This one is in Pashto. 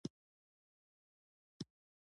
• بښل زړه صفا کوي.